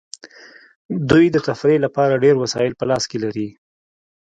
دوی د تفریح لپاره ډیر وسایل په لاس کې لري